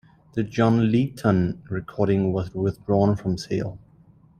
The John Leyton recording was withdrawn from sale.